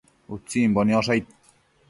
Utsimbo niosh aid